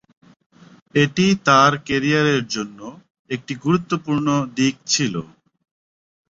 এটি তার ক্যারিয়ারের জন্য একটি গুরুত্বপূর্ণ দিক ছিল।